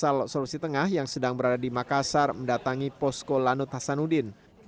asal sulawesi tengah yang sedang berada di makassar mendatangi posko lanut hasanuddin